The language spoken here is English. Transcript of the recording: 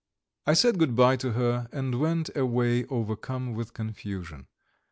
I said good bye to her, and went away overcome with confusion.